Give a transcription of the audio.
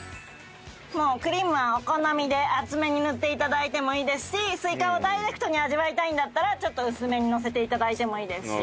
もうクリームはお好みで厚めに塗って頂いてもいいですしスイカをダイレクトに味わいたいんだったらちょっと薄めにのせて頂いてもいいですし。